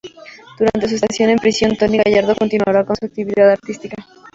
Durante su estancia en prisión, Tony Gallardo continuará con su actividad artística.